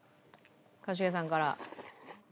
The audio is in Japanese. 一茂さんから。